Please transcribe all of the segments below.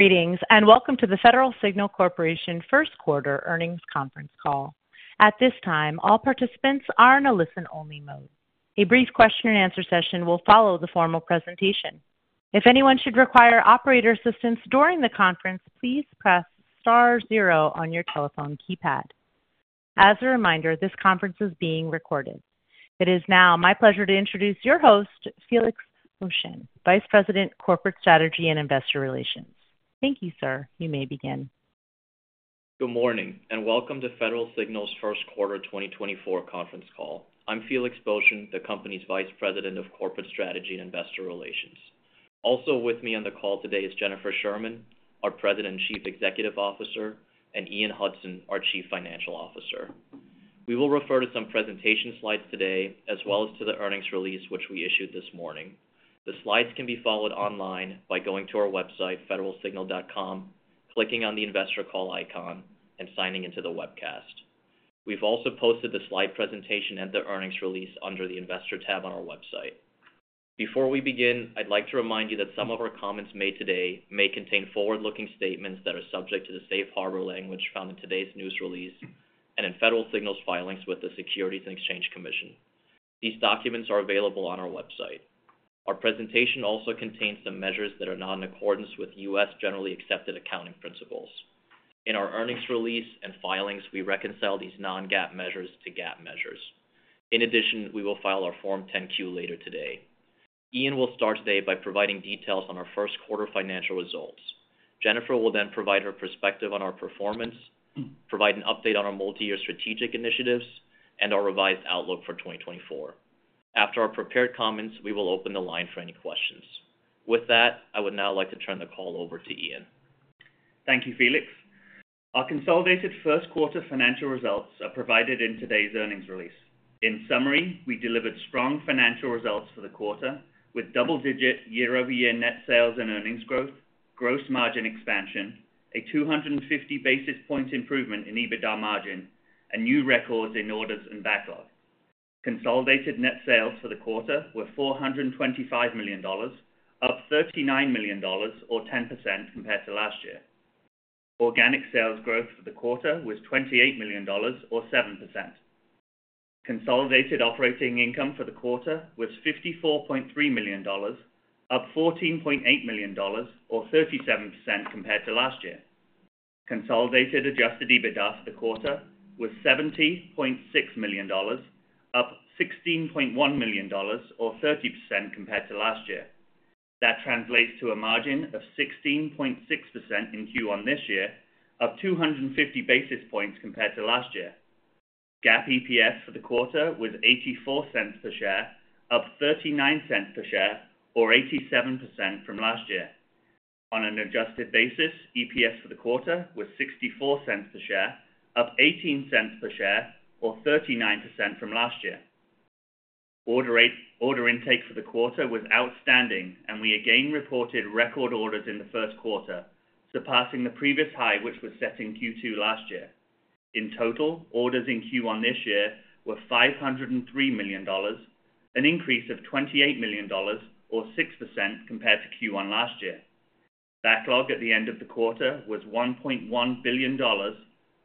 Greetings and welcome to the Federal Signal Corporation first-quarter earnings conference call. At this time, all participants are in a listen-only mode. A brief question-and-answer session will follow the formal presentation. If anyone should require operator assistance during the conference, please press star zero on your telephone keypad. As a reminder, this conference is being recorded. It is now my pleasure to introduce your host, Felix Boeschen, Vice President Corporate Strategy and Investor Relations. Thank you, sir. You may begin. Good morning and welcome to Federal Signal's first-quarter 2024 conference call. I'm Felix Boeschen, the company's Vice President of Corporate Strategy and Investor Relations. Also with me on the call today is Jennifer Sherman, our President and Chief Executive Officer, and Ian Hudson, our Chief Financial Officer. We will refer to some presentation slides today as well as to the earnings release which we issued this morning. The slides can be followed online by going to our website, federalsignal.com, clicking on the investor call icon, and signing into the webcast. We've also posted the slide presentation and the earnings release under the Investor tab on our website. Before we begin, I'd like to remind you that some of our comments made today may contain forward-looking statements that are subject to the safe harbor language found in today's news release and in Federal Signal's filings with the Securities and Exchange Commission. These documents are available on our website. Our presentation also contains some measures that are not in accordance with U.S. Generally Accepted Accounting Principles. In our earnings release and filings, we reconcile these non-GAAP measures to GAAP measures. In addition, we will file our Form 10-Q later today. Ian will start today by providing details on our first-quarter financial results. Jennifer will then provide her perspective on our performance, provide an update on our multi-year strategic initiatives, and our revised outlook for 2024. After our prepared comments, we will open the line for any questions. With that, I would now like to turn the call over to Ian. Thank you, Felix. Our consolidated first-quarter financial results are provided in today's earnings release. In summary, we delivered strong financial results for the quarter with double-digit year-over-year net sales and earnings growth, gross margin expansion, a 250 basis point improvement in EBITDA margin, and new records in orders and backlog. Consolidated net sales for the quarter were $425 million, up $39 million or 10% compared to last year. Organic sales growth for the quarter was $28 million or 7%. Consolidated operating income for the quarter was $54.3 million, up $14.8 million or 37% compared to last year. Consolidated Adjusted EBITDA for the quarter was $70.6 million, up $16.1 million or 30% compared to last year. That translates to a margin of 16.6% in Q1 this year, up 250 basis points compared to last year. GAAP EPS for the quarter was $0.84 per share, up $0.39 per share or 87% from last year. On an adjusted basis, EPS for the quarter was $0.64 per share, up $0.18 per share or 39% from last year. Order intake for the quarter was outstanding, and we again reported record orders in the first quarter, surpassing the previous high which was set in Q2 last year. In total, orders in Q1 this year were $503 million, an increase of $28 million or 6% compared to Q1 last year. Backlog at the end of the quarter was $1.1 billion,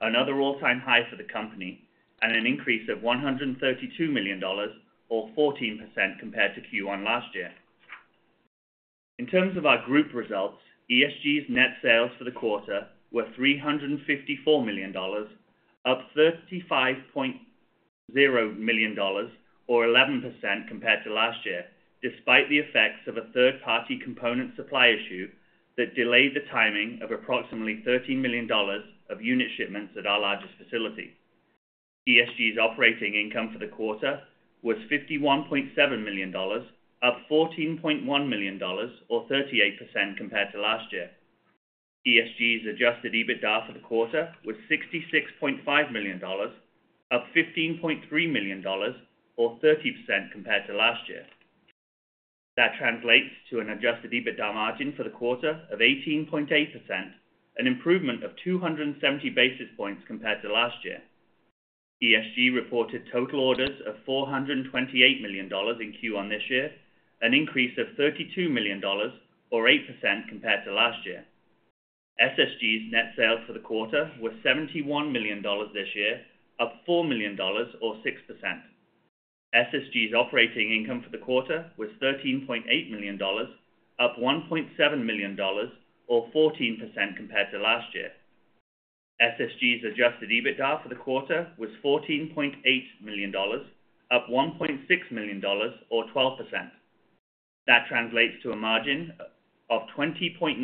another all-time high for the company, and an increase of $132 million or 14% compared to Q1 last year. In terms of our group results, ESG's net sales for the quarter were $354 million, up $35.0 million or 11% compared to last year, despite the effects of a third-party component supply issue that delayed the timing of approximately $13 million of unit shipments at our largest facility. ESG's operating income for the quarter was $51.7 million, up $14.1 million or 38% compared to last year. ESG's Adjusted EBITDA for the quarter was $66.5 million, up $15.3 million or 30% compared to last year. That translates to an Adjusted EBITDA margin for the quarter of 18.8%, an improvement of 270 basis points compared to last year. ESG reported total orders of $428 million in Q1 this year, an increase of $32 million or 8% compared to last year. SSG's net sales for the quarter were $71 million this year, up $4 million or 6%. SSG's operating income for the quarter was $13.8 million, up $1.7 million or 14% compared to last year. SSG's Adjusted EBITDA for the quarter was $14.8 million, up $1.6 million or 12%. That translates to a margin of 20.9%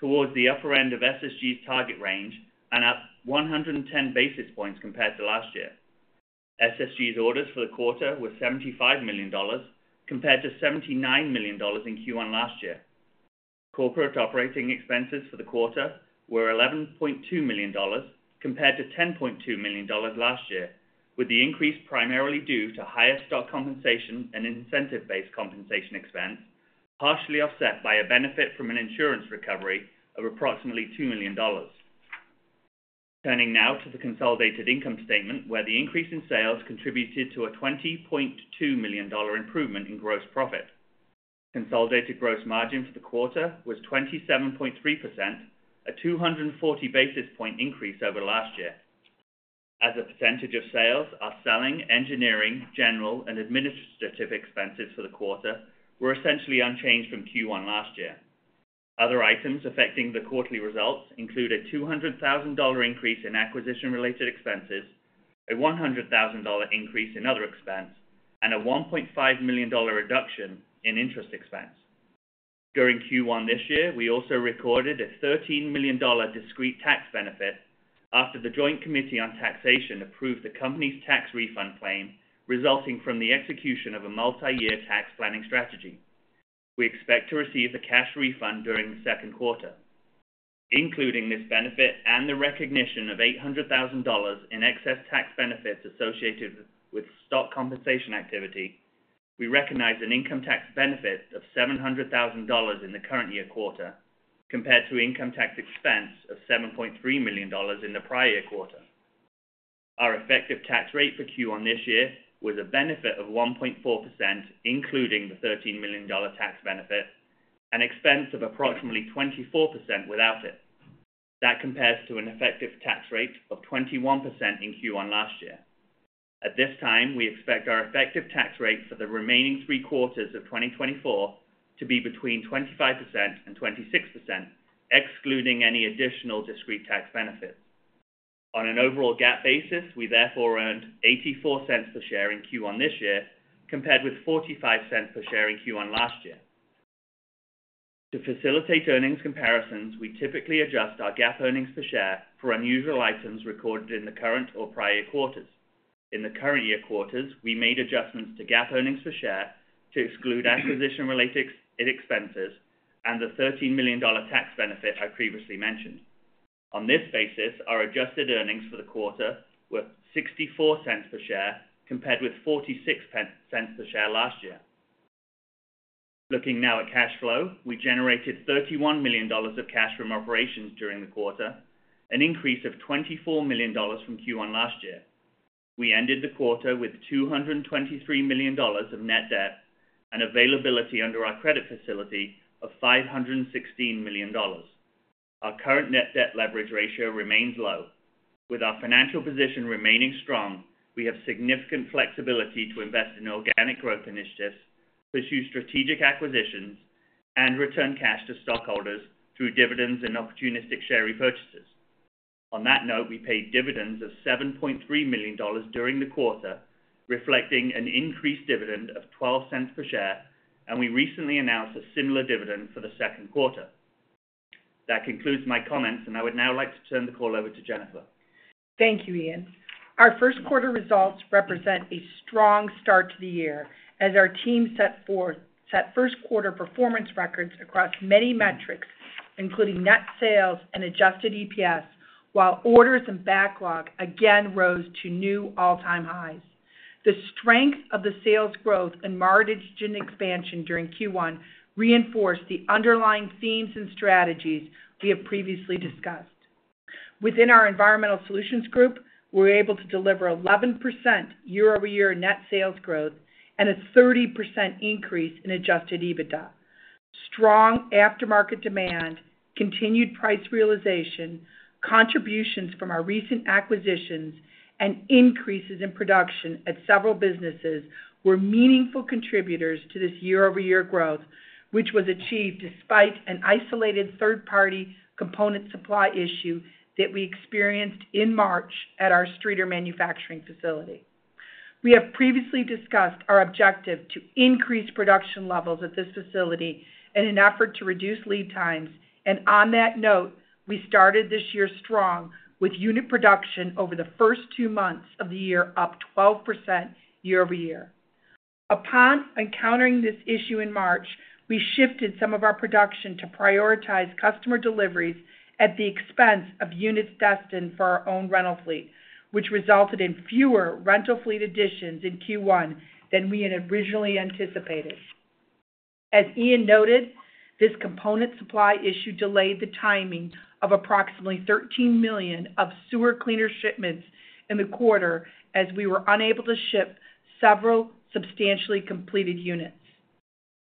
towards the upper end of SSG's target range and up 110 basis points compared to last year. SSG's orders for the quarter were $75 million compared to $79 million in Q1 last year. Corporate operating expenses for the quarter were $11.2 million compared to $10.2 million last year, with the increase primarily due to higher stock compensation and incentive-based compensation expense, partially offset by a benefit from an insurance recovery of approximately $2 million. Turning now to the consolidated income statement, where the increase in sales contributed to a $20.2 million improvement in gross profit. Consolidated gross margin for the quarter was 27.3%, a 240 basis point increase over last year. As a percentage of sales, our selling, engineering, general, and administrative expenses for the quarter were essentially unchanged from Q1 last year. Other items affecting the quarterly results include a $200,000 increase in acquisition-related expenses, a $100,000 increase in other expense, and a $1.5 million reduction in interest expense. During Q1 this year, we also recorded a $13 million discrete tax benefit after the Joint Committee on Taxation approved the company's tax refund claim resulting from the execution of a multi-year tax planning strategy. We expect to receive the cash refund during the second quarter. Including this benefit and the recognition of $800,000 in excess tax benefits associated with stock compensation activity, we recognize an income tax benefit of $700,000 in the current year quarter compared to an income tax expense of $7.3 million in the prior year quarter. Our effective tax rate for Q1 this year was a benefit of 1.4%, including the $13 million tax benefit and expense of approximately 24% without it. That compares to an effective tax rate of 21% in Q1 last year. At this time, we expect our effective tax rate for the remaining three quarters of 2024 to be between 25% and 26%, excluding any additional discrete tax benefits. On an overall GAAP basis, we therefore earned $0.84 per share in Q1 this year compared with $0.45 per share in Q1 last year. To facilitate earnings comparisons, we typically adjust our GAAP earnings per share for unusual items recorded in the current or prior quarters. In the current year quarters, we made adjustments to GAAP earnings per share to exclude acquisition-related expenses and the $13 million tax benefit I previously mentioned. On this basis, our adjusted earnings for the quarter were $0.64 per share compared with $0.46 per share last year. Looking now at cash flow, we generated $31 million of cash from operations during the quarter, an increase of $24 million from Q1 last year. We ended the quarter with $223 million of net debt and availability under our credit facility of $516 million. Our current net debt leverage ratio remains low. With our financial position remaining strong, we have significant flexibility to invest in organic growth initiatives, pursue strategic acquisitions, and return cash to stockholders through dividends and opportunistic share repurchases. On that note, we paid dividends of $7.3 million during the quarter, reflecting an increased dividend of $0.12 per share, and we recently announced a similar dividend for the second quarter. That concludes my comments, and I would now like to turn the call over to Jennifer. Thank you, Ian. Our first-quarter results represent a strong start to the year as our team set first-quarter performance records across many metrics, including net sales and Adjusted EPS, while orders and backlog again rose to new all-time highs. The strength of the sales growth and margin expansion during Q1 reinforced the underlying themes and strategies we have previously discussed. Within our Environmental Solutions Group, we were able to deliver 11% year-over-year net sales growth and a 30% increase in Adjusted EBITDA. Strong aftermarket demand, continued price realization, contributions from our recent acquisitions, and increases in production at several businesses were meaningful contributors to this year-over-year growth, which was achieved despite an isolated third-party component supply issue that we experienced in March at our Streator manufacturing facility. We have previously discussed our objective to increase production levels at this facility in an effort to reduce lead times, and on that note, we started this year strong with unit production over the first two months of the year, up 12% year-over-year. Upon encountering this issue in March, we shifted some of our production to prioritize customer deliveries at the expense of units destined for our own rental fleet, which resulted in fewer rental fleet additions in Q1 than we had originally anticipated. As Ian noted, this component supply issue delayed the timing of approximately $13 million of sewer cleaner shipments in the quarter as we were unable to ship several substantially completed units.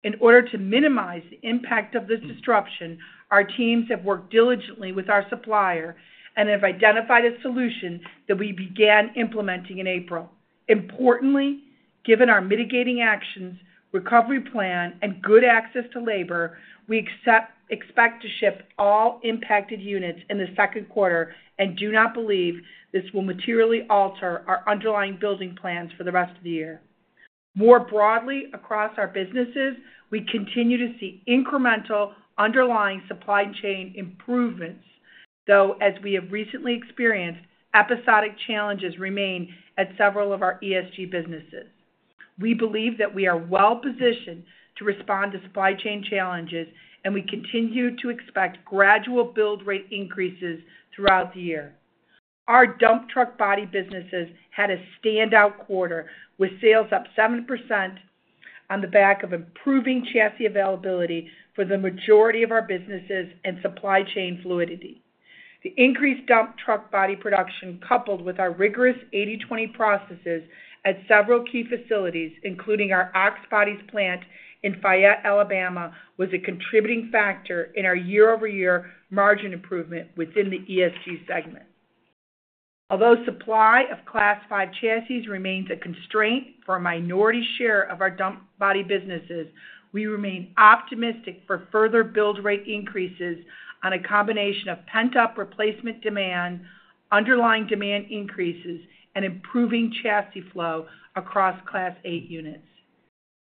In order to minimize the impact of this disruption, our teams have worked diligently with our supplier and have identified a solution that we began implementing in April. Importantly, given our mitigating actions, recovery plan, and good access to labor, we expect to ship all impacted units in the second quarter and do not believe this will materially alter our underlying building plans for the rest of the year. More broadly, across our businesses, we continue to see incremental underlying supply chain improvements, though, as we have recently experienced, episodic challenges remain at several of our ESG businesses. We believe that we are well-positioned to respond to supply chain challenges, and we continue to expect gradual build-rate increases throughout the year. Our dump truck body businesses had a standout quarter with sales up 7% on the back of improving chassis availability for the majority of our businesses and supply chain fluidity. The increased dump truck body production, coupled with our rigorous 80/20 processes at several key facilities, including our OX Bodies plant in Fayette, Alabama, was a contributing factor in our year-over-year margin improvement within the ESG segment. Although the supply of Class 5 chassis remains a constraint for a minority share of our dump body businesses, we remain optimistic for further build-rate increases on a combination of pent-up replacement demand, underlying demand increases, and improving chassis flow across Class 8 units.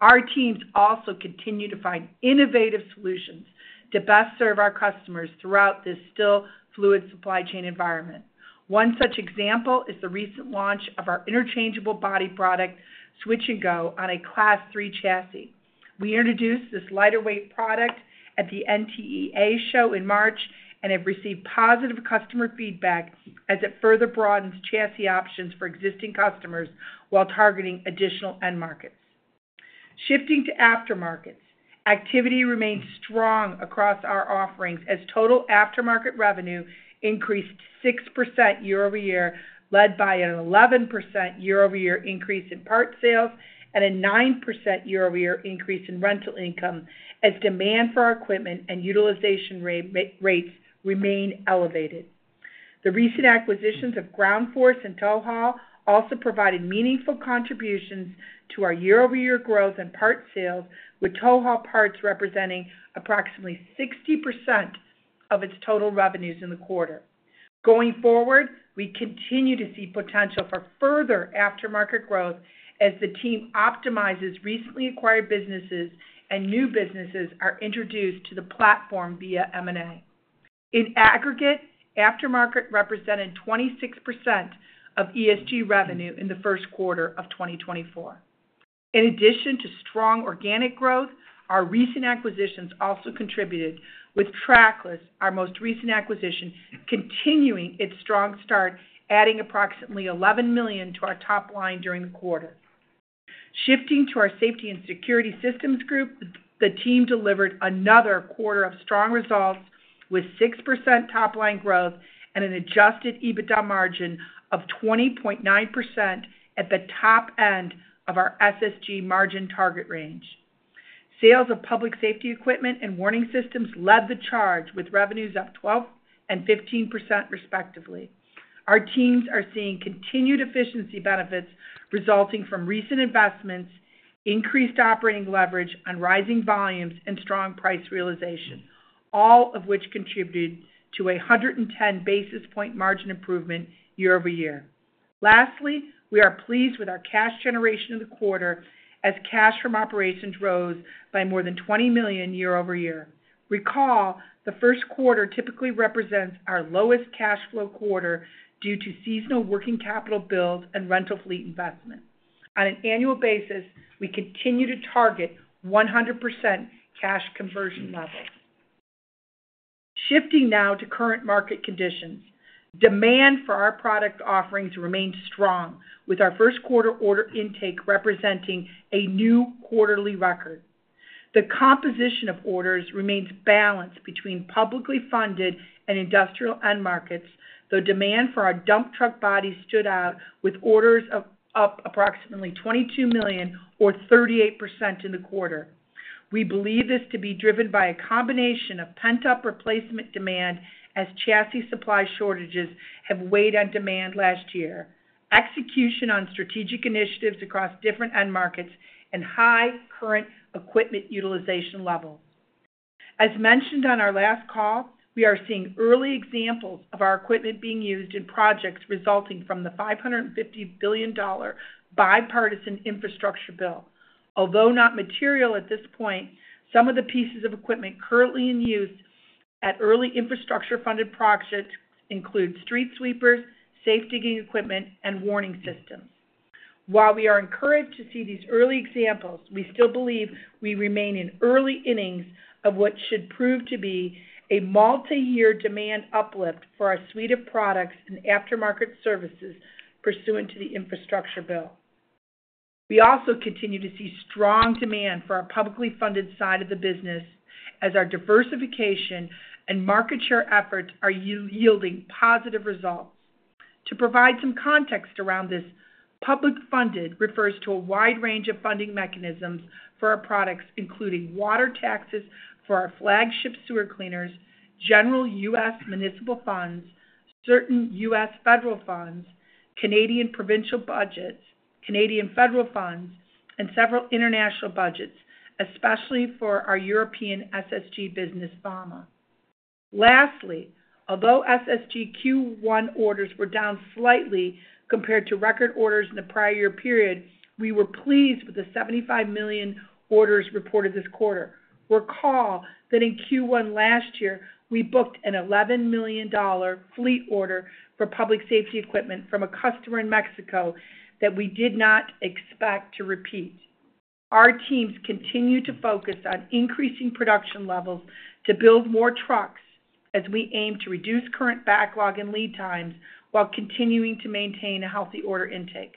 Our teams also continue to find innovative solutions to best serve our customers throughout this still fluid supply chain environment. One such example is the recent launch of our interchangeable body product, Switch-N-Go, on a Class 3 chassis. We introduced this lighter-weight product at the NTEA show in March and have received positive customer feedback as it further broadens chassis options for existing customers while targeting additional end markets. Shifting to aftermarkets, activity remains strong across our offerings as total aftermarket revenue increased 6% year-over-year, led by an 11% year-over-year increase in part sales and a 9% year-over-year increase in rental income as demand for our equipment and utilization rates remain elevated. The recent acquisitions of Ground Force and TowHaul also provided meaningful contributions to our year-over-year growth in part sales, with TowHaul parts representing approximately 60% of its total revenues in the quarter. Going forward, we continue to see potential for further aftermarket growth as the team optimizes recently acquired businesses and new businesses are introduced to the platform via M&A. In aggregate, the aftermarket represented 26% of ESG revenue in the first quarter of 2024. In addition to strong organic growth, our recent acquisitions also contributed, with Trackless, our most recent acquisition, continuing its strong start, adding approximately $11 million to our top line during the quarter. Shifting to our Safety and Security Systems Group, the team delivered another quarter of strong results with 6% top line growth and an Adjusted EBITDA margin of 20.9% at the top end of our SSG margin target range. Sales of public safety equipment and warning systems led the charge, with revenues up 12% and 15% respectively. Our teams are seeing continued efficiency benefits resulting from recent investments, increased operating leverage on rising volumes, and strong price realization, all of which contributed to a 110 basis point margin improvement year-over-year. Lastly, we are pleased with our cash generation of the quarter as cash from operations rose by more than $20 million year-over-year. Recall, the first quarter typically represents our lowest cash flow quarter due to seasonal working capital builds and rental fleet investment. On an annual basis, we continue to target 100% cash conversion levels. Shifting now to current market conditions, demand for our product offerings remains strong, with our first-quarter order intake representing a new quarterly record. The composition of orders remains balanced between publicly funded and industrial end markets, though demand for our dump truck bodies stood out, with orders up approximately $22 million or 38% in the quarter. We believe this to be driven by a combination of pent-up replacement demand as chassis supply shortages have weighed on demand last year, execution on strategic initiatives across different end markets, and high current equipment utilization levels. As mentioned on our last call, we are seeing early examples of our equipment being used in projects resulting from the $550 billion Bipartisan Infrastructure Bill. Although not material at this point, some of the pieces of equipment currently in use at early infrastructure-funded projects include street sweepers, safe digging equipment, and warning systems. While we are encouraged to see these early examples, we still believe we remain in early innings of what should prove to be a multi-year demand uplift for our suite of products and aftermarket services pursuant to the Infrastructure Bill. We also continue to see strong demand for our publicly funded side of the business as our diversification and market share efforts are yielding positive results. To provide some context around this, public funded refers to a wide range of funding mechanisms for our products, including water taxes for our flagship sewer cleaners, general U.S. municipal funds, certain U.S. federal funds, Canadian provincial budgets, Canadian federal funds, and several international budgets, especially for our European SSG business, VAMA. Lastly, although SSG Q1 orders were down slightly compared to record orders in the prior year period, we were pleased with the $75 million orders reported this quarter. Recall that in Q1 last year, we booked an $11 million fleet order for public safety equipment from a customer in Mexico that we did not expect to repeat. Our teams continue to focus on increasing production levels to build more trucks as we aim to reduce current backlog and lead times while continuing to maintain a healthy order intake.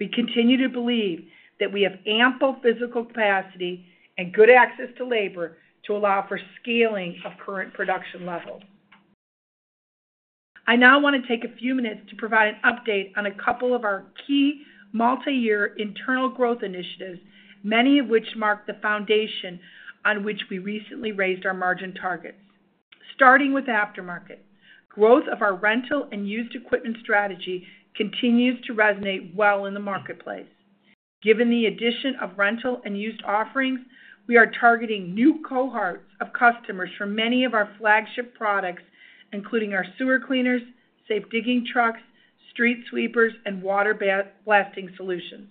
We continue to believe that we have ample physical capacity and good access to labor to allow for scaling of current production levels. I now want to take a few minutes to provide an update on a couple of our key multi-year internal growth initiatives, many of which mark the foundation on which we recently raised our margin targets. Starting with the aftermarket, the growth of our rental and used equipment strategy continues to resonate well in the marketplace. Given the addition of rental and used offerings, we are targeting new cohorts of customers for many of our flagship products, including our sewer cleaners, safe digging trucks, street sweepers, and water blasting solutions.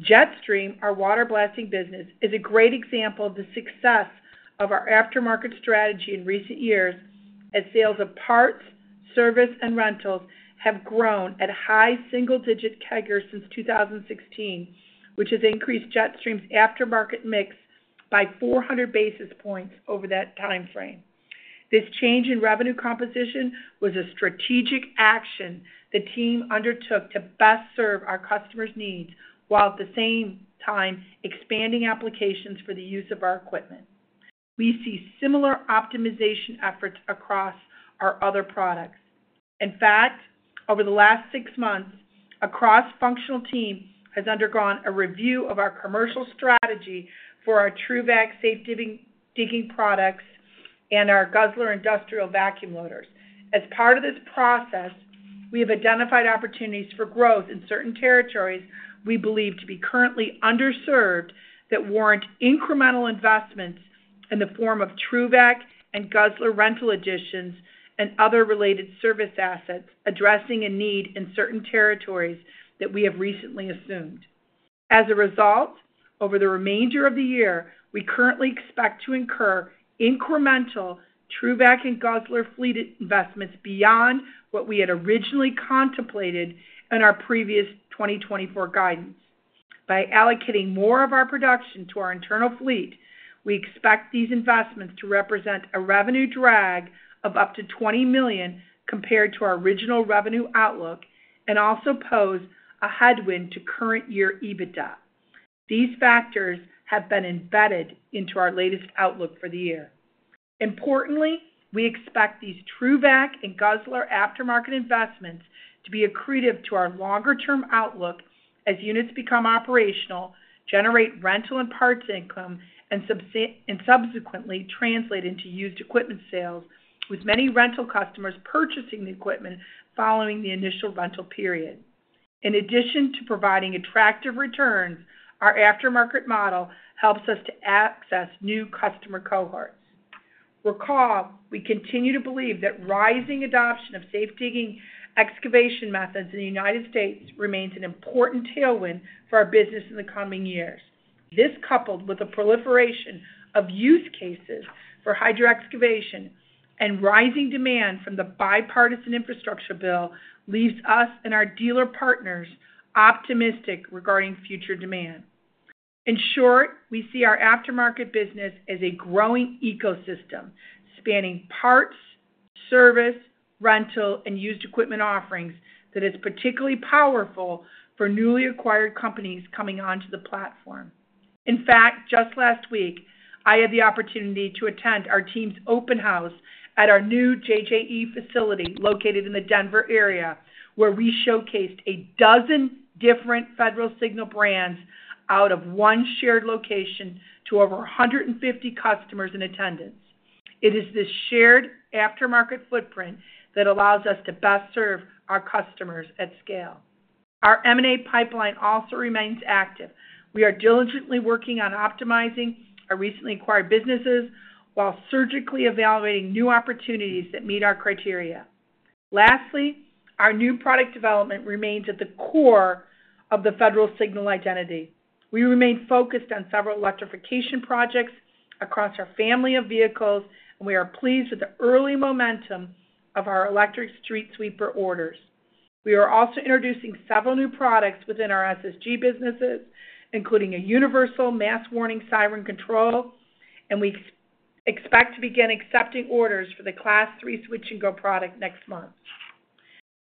Jetstream, our water blasting business, is a great example of the success of our aftermarket strategy in recent years as sales of parts, service, and rentals have grown at a high single-digit CAGR since 2016, which has increased Jetstream's aftermarket mix by 400 basis points over that timeframe. This change in revenue composition was a strategic action the team undertook to best serve our customers' needs while, at the same time, expanding applications for the use of our equipment. We see similar optimization efforts across our other products. In fact, over the last six months, a cross-functional team has undergone a review of our commercial strategy for our TRUVAC safe digging products and our Guzzler industrial vacuum loaders. As part of this process, we have identified opportunities for growth in certain territories we believe to be currently underserved that warrant incremental investments in the form of TRUVAC and Guzzler rental additions and other related service assets addressing a need in certain territories that we have recently assumed. As a result, over the remainder of the year, we currently expect to incur incremental TRUVAC and Guzzler fleet investments beyond what we had originally contemplated in our previous 2024 guidance. By allocating more of our production to our internal fleet, we expect these investments to represent a revenue drag of up to $20 million compared to our original revenue outlook and also pose a headwind to current year EBITDA. These factors have been embedded into our latest outlook for the year. Importantly, we expect these TRUVAC and Guzzler aftermarket investments to be accretive to our longer-term outlook as units become operational, generate rental and parts income, and subsequently translate into used equipment sales, with many rental customers purchasing the equipment following the initial rental period. In addition to providing attractive returns, our aftermarket model helps us to access new customer cohorts. Recall, we continue to believe that rising adoption of safe digging excavation methods in the United States remains an important tailwind for our business in the coming years. This, coupled with the proliferation of use cases for hydroexcavation and rising demand from the Bipartisan Infrastructure Bill, leaves us and our dealer partners optimistic regarding future demand. In short, we see our aftermarket business as a growing ecosystem spanning parts, service, rental, and used equipment offerings that is particularly powerful for newly acquired companies coming onto the platform. In fact, just last week, I had the opportunity to attend our team's open house at our new JJE facility located in the Denver area, where we showcased 12 different Federal Signal brands out of one shared location to over 150 customers in attendance. It is this shared aftermarket footprint that allows us to best serve our customers at scale. Our M&A pipeline also remains active. We are diligently working on optimizing our recently acquired businesses while surgically evaluating new opportunities that meet our criteria. Lastly, our new product development remains at the core of the Federal Signal identity. We remain focused on several electrification projects across our family of vehicles, and we are pleased with the early momentum of our electric street sweeper orders. We are also introducing several new products within our SSG businesses, including a universal mass warning siren control, and we expect to begin accepting orders for the Class 3 Switch-N-Go product next month.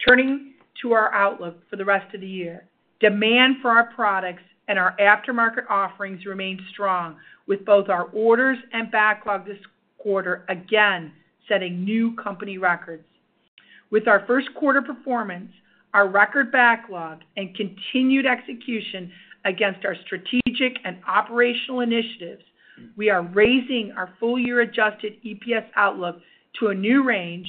Turning to our outlook for the rest of the year, demand for our products and our aftermarket offerings remains strong, with both our orders and backlog this quarter again setting new company records. With our first quarter performance, our record backlog, and continued execution against our strategic and operational initiatives, we are raising our full year Adjusted EPS outlook to a new range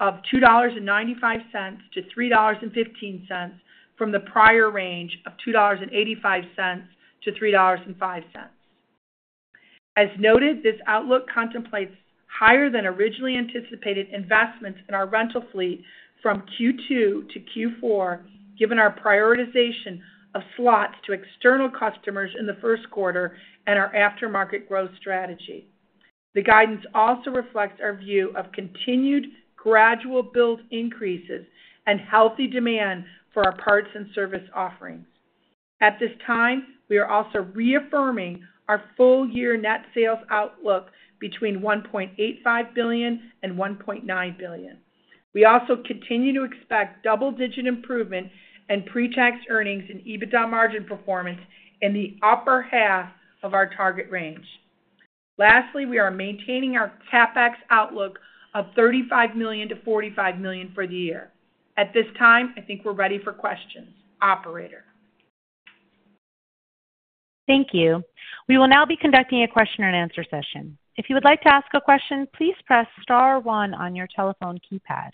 of $2.95-$3.15 from the prior range of $2.85-$3.05. As noted, this outlook contemplates higher than originally anticipated investments in our rental fleet from Q2 to Q4, given our prioritization of slots to external customers in the first quarter and our aftermarket growth strategy. The guidance also reflects our view of continued gradual build increases and healthy demand for our parts and service offerings. At this time, we are also reaffirming our full-year net sales outlook between $1.85 billion and $1.9 billion. We also continue to expect double-digit improvement in pre-tax earnings and EBITDA margin performance in the upper half of our target range. Lastly, we are maintaining our CapEx outlook of $35 million-$45 million for the year. At this time, I think we're ready for questions. Operator. Thank you. We will now be conducting a question-and-answer session. If you would like to ask a question, please press star one on your telephone keypad.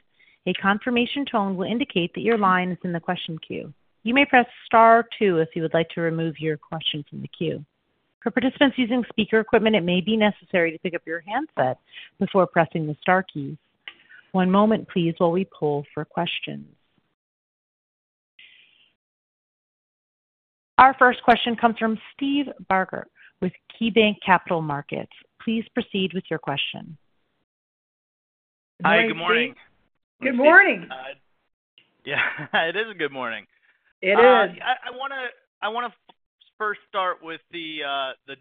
A confirmation tone will indicate that your line is in the question queue. You may press star two if you would like to remove your question from the queue. For participants using speaker equipment, it may be necessary to pick up your handset before pressing the star keys. One moment, please, while we poll for questions. Our first question comes from Steve Barger with KeyBanc Capital Markets. Please proceed with your question. Hi. Good morning. Good morning. Yeah. It is a good morning. It is. I want to first start with the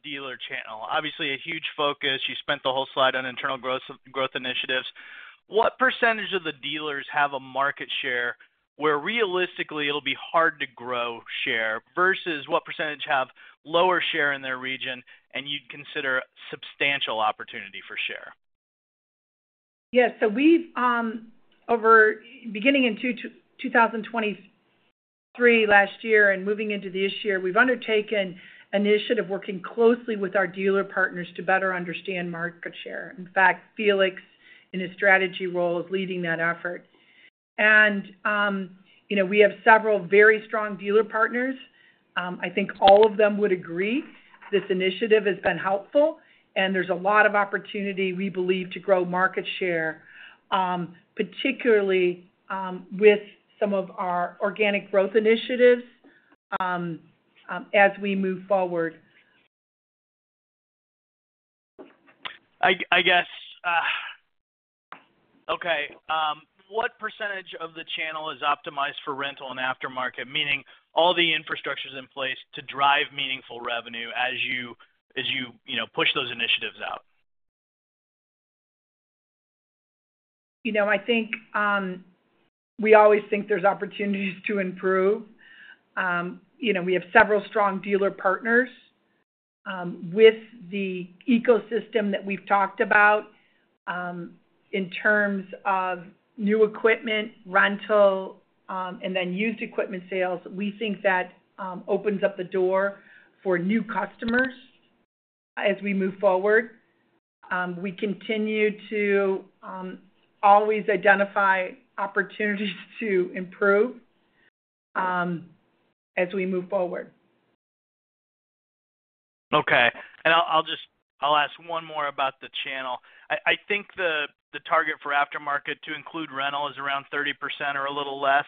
Dealer Channel. Obviously, a huge focus. You spent the whole slide on internal growth initiatives. What percentage of the dealers have a market share where realistically it'll be hard to grow share versus what percentage have lower share in their region and you'd consider substantial opportunity for share? Yes. So over beginning in 2023 last year and moving into this year, we've undertaken an initiative working closely with our dealer partners to better understand market share. In fact, Felix, in his strategy role, is leading that effort. And we have several very strong dealer partners. I think all of them would agree this initiative has been helpful, and there's a lot of opportunity, we believe, to grow market share, particularly with some of our organic growth initiatives as we move forward. I guess okay. What percentage of the channel is optimized for rental and aftermarket, meaning all the infrastructure is in place to drive meaningful revenue as you push those initiatives out? I think we always think there's opportunities to improve. We have several strong dealer partners. With the ecosystem that we've talked about in terms of new equipment, rental, and then used equipment sales, we think that opens up the door for new customers as we move forward. We continue to always identify opportunities to improve as we move forward. Okay. I'll ask one more about the channel. I think the target for the aftermarket to include rental is around 30% or a little less.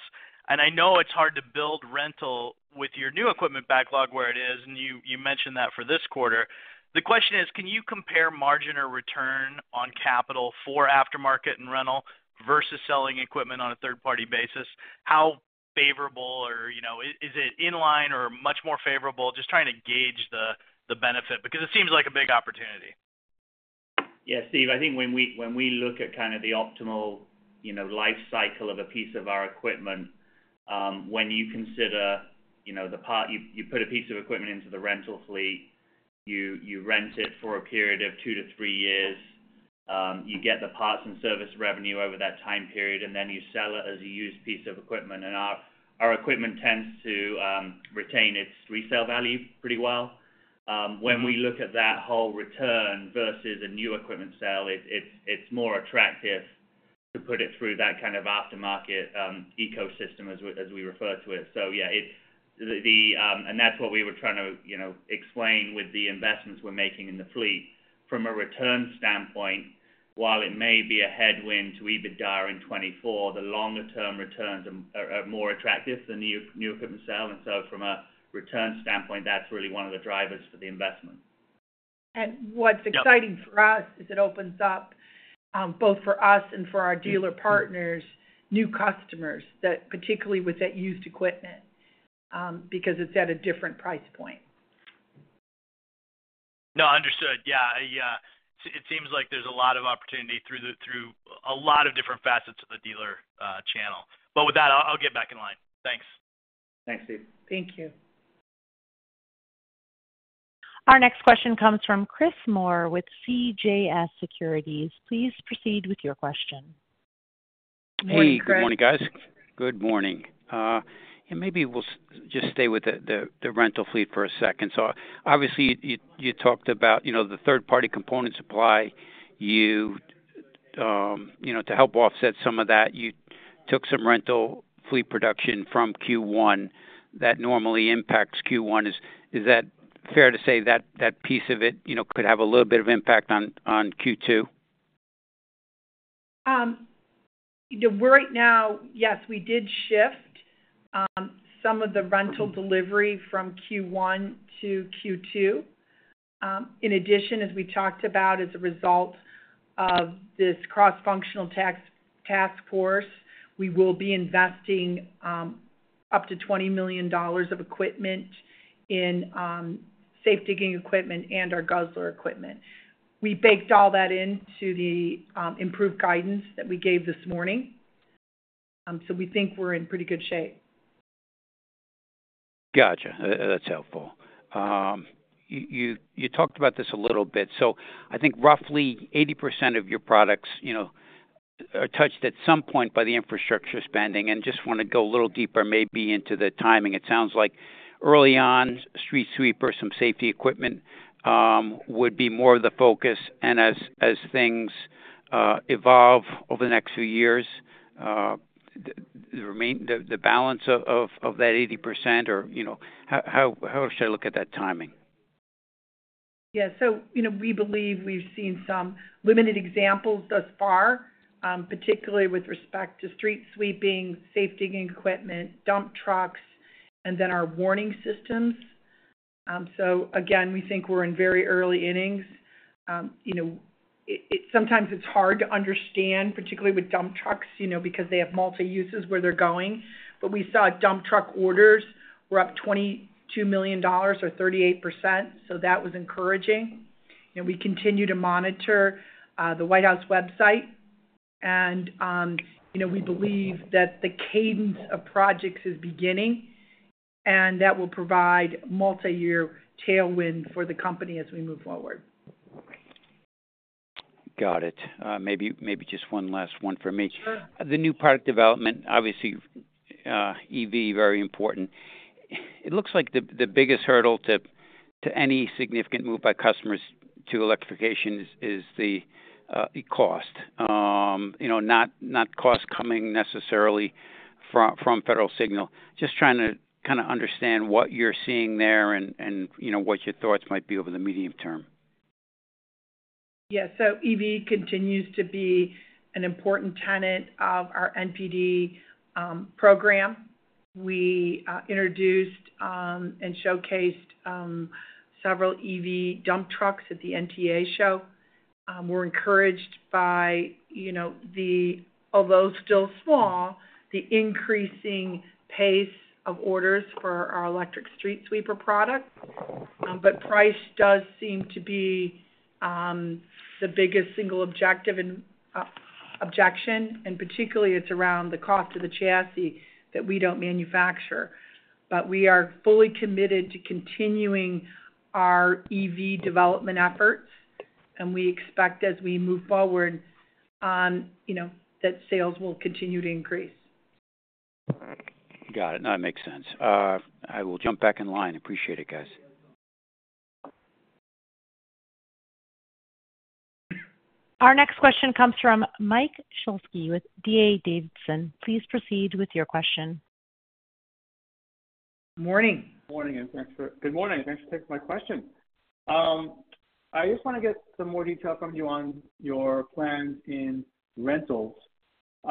I know it's hard to build rental with your new equipment backlog where it is, and you mentioned that for this quarter. The question is, can you compare margin or return on capital for aftermarket and rental versus selling equipment on a third-party basis? How favourable or is it in line or much more favourable? Just trying to gauge the benefit because it seems like a big opportunity. Yeah, Steve. I think when we look at kind of the optimal life cycle of a piece of our equipment, when you consider the part you put a piece of equipment into the rental fleet, you rent it for a period of two-three years, you get the parts and service revenue over that time period, and then you sell it as a used piece of equipment. Our equipment tends to retain its resale value pretty well. When we look at that whole return versus a new equipment sale, it's more attractive to put it through that kind of aftermarket ecosystem as we refer to it. So yeah, and that's what we were trying to explain with the investments we're making in the fleet. From a return standpoint, while it may be a headwind to EBITDA in 2024, the longer-term returns are more attractive than new equipment sale. And so from a return standpoint, that's really one of the drivers for the investment. And what's exciting for us is it opens up, both for us and for our dealer partners, new customers, particularly with that used equipment, because it's at a different price point. No, understood. Yeah. It seems like there's a lot of opportunity through a lot of different facets of the dealer channel. But with that, I'll get back in line. Thanks. Thanks, Steve. Thank you. Our next question comes from Chris Moore with CJS Securities. Please proceed with your question. Hey, Chris. Hey. Good morning, guys. Good morning. Maybe we'll just stay with the rental fleet for a second. So obviously, you talked about the third-party component supply. To help offset some of that, you took some rental fleet production from Q1. That normally impacts Q1. Is that fair to say that piece of it could have a little bit of impact on Q2? Right now, yes, we did shift some of the rental delivery from Q1 to Q2. In addition, as we talked about, as a result of this cross-functional task force, we will be investing up to $20 million of equipment in safe digging equipment and our Guzzler equipment. We baked all that into the improved guidance that we gave this morning. So we think we're in pretty good shape. Gotcha. That's helpful. You talked about this a little bit. So I think roughly 80% of your products are touched at some point by the infrastructure spending. And just want to go a little deeper, maybe into the timing. It sounds like early on, street sweeper, some safety equipment would be more of the focus. And as things evolve over the next few years, the balance of that 80%, or how should I look at that timing? Yeah. So we believe we've seen some limited examples thus far, particularly with respect to street sweeping, safe digging equipment, dump trucks, and then our warning systems. So again, we think we're in very early innings. Sometimes it's hard to understand, particularly with dump trucks, because they have multi-uses where they're going. But we saw dump truck orders were up $22 million or 38%, so that was encouraging. We continue to monitor the White House website, and we believe that the cadence of projects is beginning, and that will provide a multi-year tailwind for the company as we move forward. Got it. Maybe just one last one for me. Sure. The new product development, obviously, EV, very important. It looks like the biggest hurdle to any significant move by customers to electrification is the cost, not cost coming necessarily from Federal Signal. Just trying to kind of understand what you're seeing there and what your thoughts might be over the medium term. Yeah. So EV continues to be an important tenet of our NPD program. We introduced and showcased several EV dump trucks at the NTEA show. We're encouraged by, although still small, the increasing pace of orders for our electric street sweeper product. But price does seem to be the biggest single objection, and particularly it's around the cost of the chassis that we don't manufacture. But we are fully committed to continuing our EV development efforts, and we expect, as we move forward, that sales will continue to increase. Got it. No, it makes sense. I will jump back in line. Appreciate it, guys. Our next question comes from Mike Shlisky with D.A. Davidson. Please proceed with your question. Morning. Morning. And thanks for good morning. Thanks for taking my question. I just want to get some more details from you on your plans in rentals.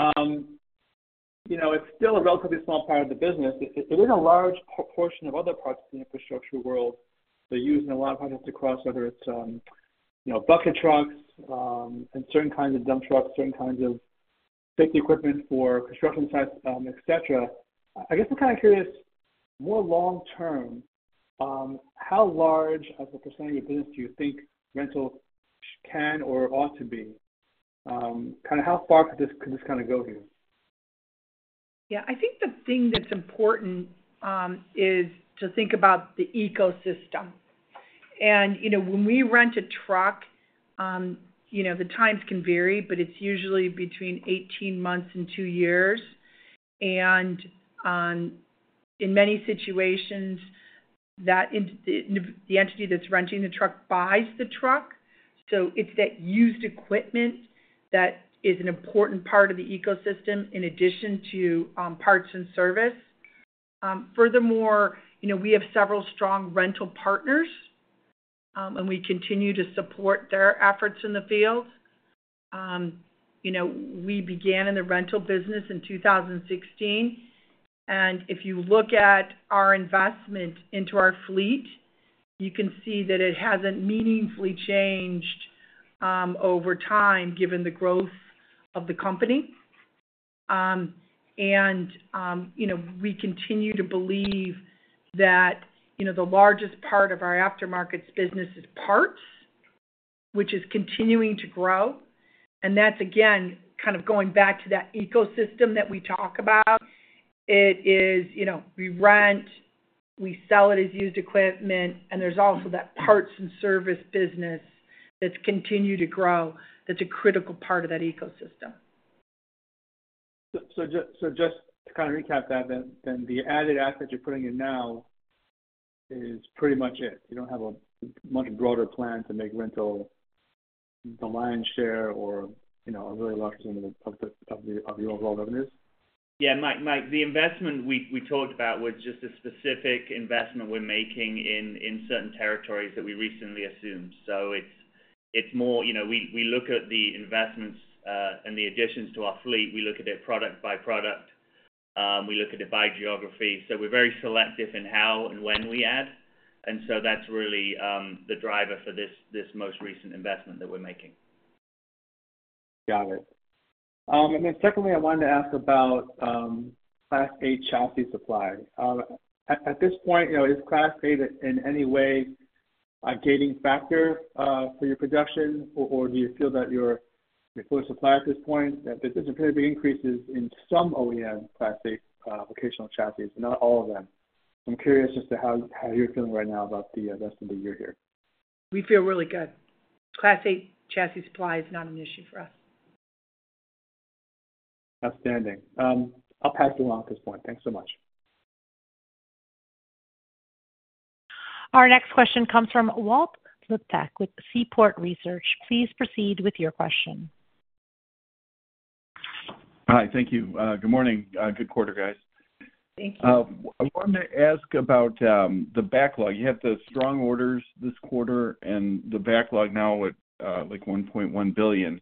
It's still a relatively small part of the business. It is a large portion of other parts of the infrastructure world. They're used in a lot of projects across, whether it's bucket trucks and certain kinds of dump trucks, certain kinds of safety equipment for construction sites, etc. I guess I'm kind of curious, more long-term, how large as a percentage of business do you think rental can or ought to be? Kind of how far could this kind of go here? Yeah. I think the thing that's important is to think about the ecosystem. When we rent a truck, the times can vary, but it's usually between 18 months and 2 years. In many situations, the entity that's renting the truck buys the truck. It's that used equipment that is an important part of the ecosystem in addition to parts and service. Furthermore, we have several strong rental partners, and we continue to support their efforts in the field. We began in the rental business in 2016. If you look at our investment into our fleet, you can see that it hasn't meaningfully changed over time given the growth of the company. We continue to believe that the largest part of our aftermarket business is parts, which is continuing to grow. That's, again, kind of going back to that ecosystem that we talk about. It is, we rent, we sell it as used equipment, and there's also that parts and service business that's continued to grow that's a critical part of that ecosystem. So just to kind of recap that, then the added asset you're putting in now is pretty much it. You don't have a much broader plan to make rental the lion's share or a really large percentage of the overall revenues? Yeah, Mike. The investment we talked about was just a specific investment we're making in certain territories that we recently assumed. So it's more we look at the investments and the additions to our fleet. We look at it product by product. We look at it by geography. So we're very selective in how and when we add. And so that's really the driver for this most recent investment that we're making. Got it. And then secondly, I wanted to ask about the Class 8 chassis supply. At this point, is Class 8 in any way a gating factor for your production, or do you feel that you're fully supplied at this point? There's been pretty big increases in some OEM Class 8 vocational chassis, not all of them. So I'm curious as to how you're feeling right now about the rest of the year here. We feel really good. Class 8 chassis supply is not an issue for us. Outstanding. I'll pass it along at this point. Thanks so much. Our next question comes from Walt Liptak with Seaport Research. Please proceed with your question. Hi. Thank you. Good morning. Good quarter, guys. Thank you. I wanted to ask about the backlog. You had the strong orders this quarter and the backlog now at $1.1 billion,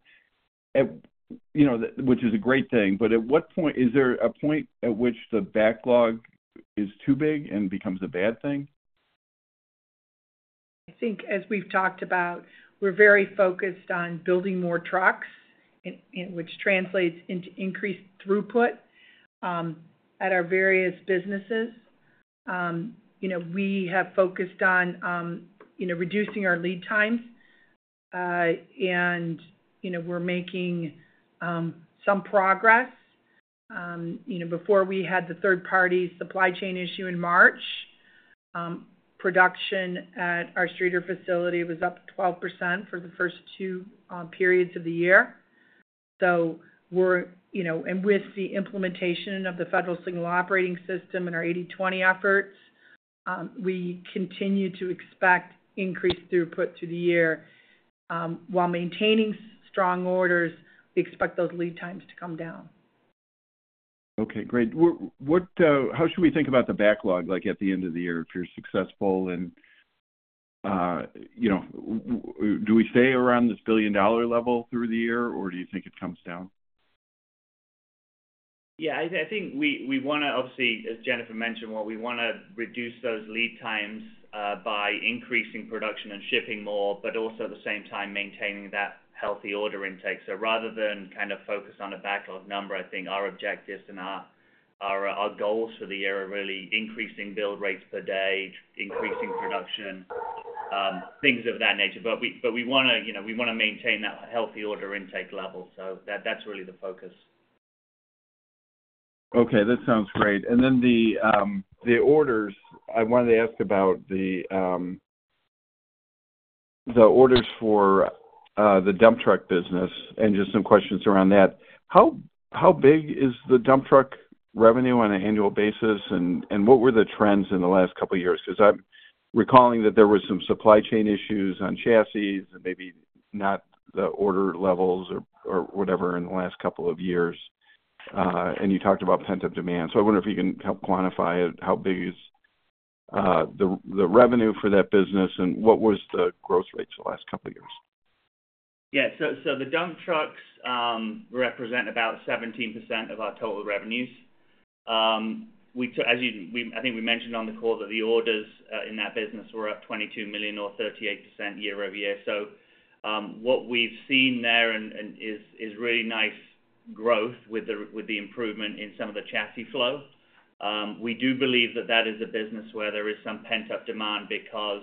which is a great thing. But at what point is there a point at which the backlog is too big and becomes a bad thing? I think, as we've talked about, we're very focused on building more trucks, which translates into increased throughput at our various businesses. We have focused on reducing our lead times, and we're making some progress. Before we had the third-party supply chain issue in March, production at our Streator facility was up 12% for the first two periods of the year. And with the implementation of the Federal Signal Operating System and our 80/20 efforts, we continue to expect increased throughput through the year. While maintaining strong orders, we expect those lead times to come down. Okay. Great. How should we think about the backlog at the end of the year if you're successful? Do we stay around this billion-dollar level through the year, or do you think it comes down? Yeah. I think we want to obviously, as Jennifer mentioned, we want to reduce those lead times by increasing production and shipping more, but also at the same time maintaining that healthy order intake. Rather than kind of focus on a backlog number, I think our objectives and our goals for the year are really increasing build rates per day, increasing production, things of that nature. But we want to maintain that healthy order intake level. That's really the focus. Okay. That sounds great. Then the orders, I wanted to ask about the orders for the dump truck business and just some questions around that. How big is the dump truck revenue on an annual basis, and what were the trends in the last couple of years? Because I'm recalling that there were some supply chain issues on chassis and maybe not the order levels or whatever in the last couple of years. And you talked about pent-up demand. So I wonder if you can help quantify it, how big is the revenue for that business, and what was the growth rate the last couple of years? Yeah. So the dump trucks represent about 17% of our total revenues. As you I think we mentioned on the call that the orders in that business were up $22 million or 38% year-over-year. So what we've seen there is really nice growth with the improvement in some of the chassis flow. We do believe that that is a business where there is some pent-up demand because,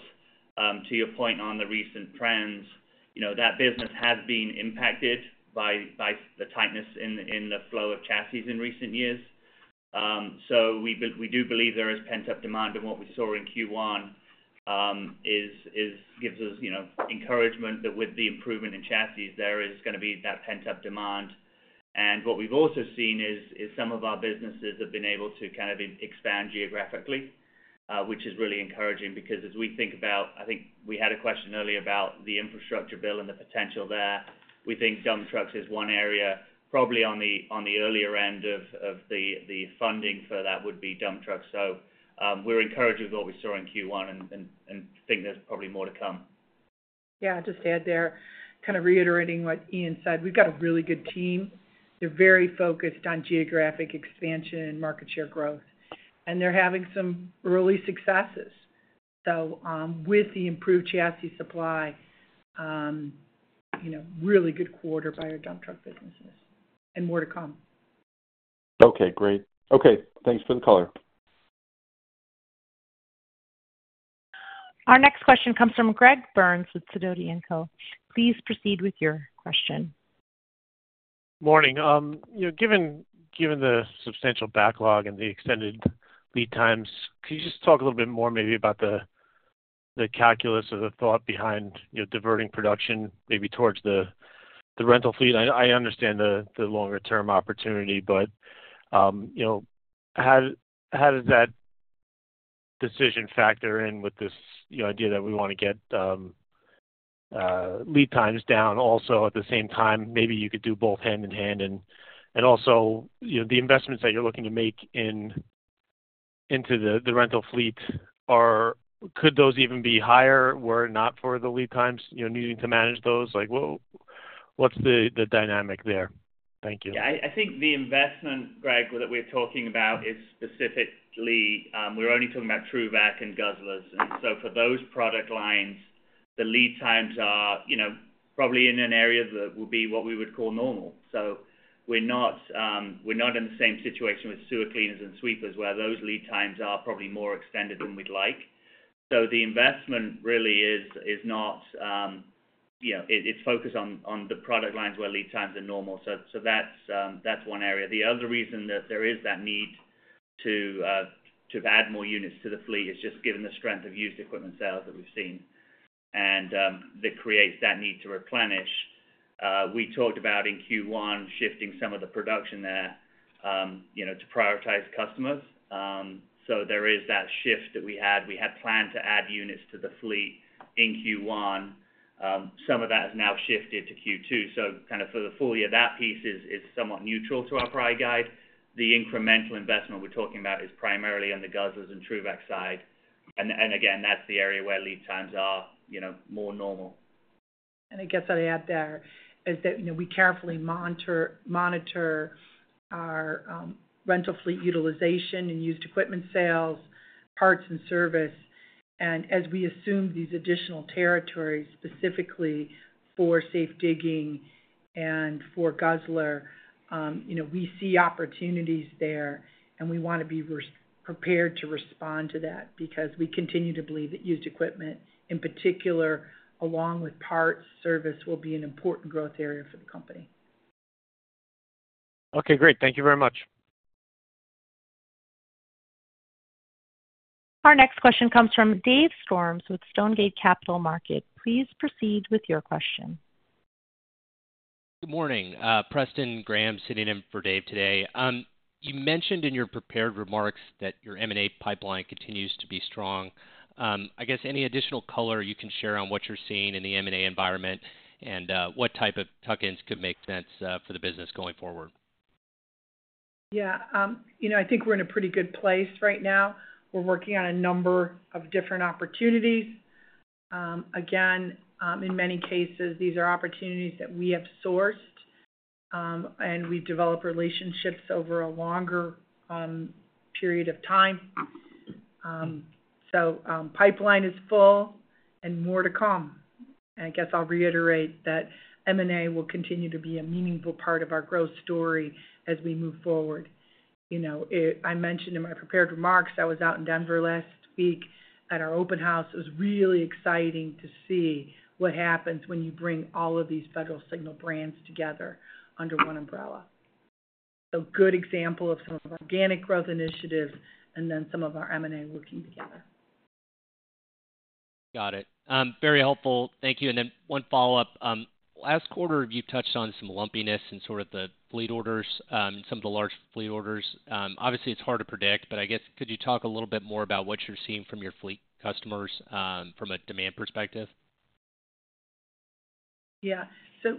to your point on the recent trends, that business has been impacted by the tightness in the flow of chassis in recent years. So we do believe there is pent-up demand, and what we saw in Q1 gives us encouragement that with the improvement in chassis, there is going to be that pent-up demand. And what we've also seen is some of our businesses have been able to kind of expand geographically, which is really encouraging because, as we think about I think we had a question earlier about the infrastructure bill and the potential there. We think dump trucks is one area. Probably on the earlier end of the funding for that would be dump trucks. So we're encouraged with what we saw in Q1 and think there's probably more to come. Yeah. I'll just add there, kind of reiterating what Ian said, we've got a really good team. They're very focused on geographic expansion and market share growth, and they're having some early successes. So with the improved chassis supply, really good quarter by our dump truck businesses and more to come. Okay. Great. Okay. Thanks for the call. Our next question comes from Greg Burns with Sidoti & Co. Please proceed with your question. Morning. Given the substantial backlog and the extended lead times, could you just talk a little bit more, maybe about the calculus or the thought behind diverting production, maybe towards the rental fleet? I understand the longer-term opportunity, but how does that decision factor in with this idea that we want to get lead times down also at the same time? Maybe you could do both hand in hand. And also, the investments that you're looking to make into the rental fleet, could those even be higher were it not for the lead times, needing to manage those? What's the dynamic there? Thank you. Yeah. I think the investment, Greg, that we're talking about is specifically, we're only talking about TRUVAC and Guzzlers. And so for those product lines, the lead times are probably in an area that will be what we would call normal. So we're not in the same situation with sewer cleaners and sweepers, where those lead times are probably more extended than we'd like. So the investment really is not it's focused on the product lines where lead times are normal. So that's one area. The other reason that there is that need to add more units to the fleet, is just given the strength of used equipment sales that we've seen, and that creates the need to replenish. We talked about in Q1 shifting some of the production there to prioritize customers. So there is that shift that we had. We had planned to add units to the fleet in Q1. Some of that has now shifted to Q2. So kind of for the full year, that piece is somewhat neutral to our price guide. The incremental investment we're talking about is primarily on the Guzzlers and TRUVAC side. And again, that's the area where lead times are more normal. And I guess I'd add there is that we carefully monitor our rental fleet utilization and used equipment sales, parts and service. As we assume these additional territories specifically for safe digging and for Guzzler, we see opportunities there, and we want to be prepared to respond to that because we continue to believe that used equipment, in particular, along with parts, service will be an important growth area for the company. Okay. Great. Thank you very much. Our next question comes from Dave Storms with Stonegate Capital Markets. Please proceed with your question. Good morning. Preston Graham is sitting in for Dave today. You mentioned in your prepared remarks that your M&A pipeline continues to be strong. I guess any additional color you can share on what you're seeing in the M&A environment and what type of tuck-ins could make sense for the business going forward? Yeah. I think we're in a pretty good place right now. We're working on a number of different opportunities. Again, in many cases, these are opportunities that we have sourced, and we've developed relationships over a longer period of time. So pipeline is full and more to come. And I guess I'll reiterate that M&A will continue to be a meaningful part of our growth story as we move forward. I mentioned in my prepared remarks I was out in Denver last week at our open house. It was really exciting to see what happens when you bring all of these Federal Signal brands together under one umbrella. So good example of some of our organic growth initiatives and then some of our M&A working together. Got it. Very helpful. Thank you. And then one follow-up. Last quarter, you've touched on some lumpiness in sort of the fleet orders, some of the large fleet orders. Obviously, it's hard to predict, but I guess could you talk a little bit more about what you're seeing from your fleet customers from a demand perspective? Yeah. So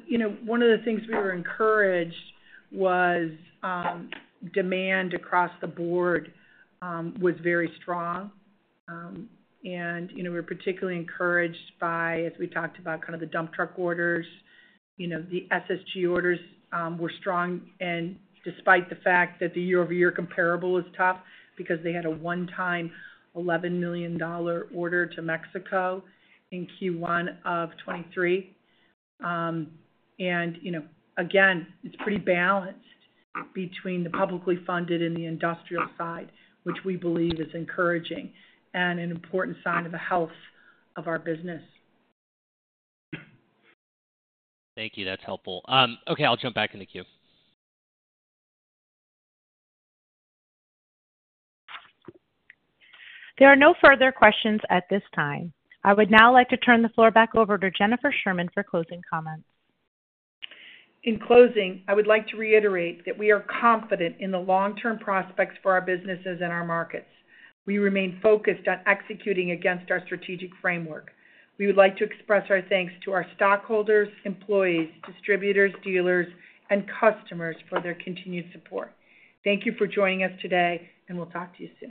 one of the things we were encouraged was demand across the board was very strong. And we were particularly encouraged by, as we talked about, kind of the dump truck orders. The SSG orders were strong. And despite the fact that the year-over-year comparable was tough because they had a one-time $11 million order to Mexico in Q1 of 2023. And again, it's pretty balanced between the publicly funded and the industrial side, which we believe is encouraging and an important sign of the health of our business. Thank you. That's helpful. Okay. I'll jump back in the queue. There are no further questions at this time. I would now like to turn the floor back over to Jennifer Sherman for closing comments. In closing, I would like to reiterate that we are confident in the long-term prospects for our businesses and our markets. We remain focused on executing against our strategic framework. We would like to express our thanks to our stockholders, employees, distributors, dealers, and customers for their continued support. Thank you for joining us today, and we'll talk to you soon.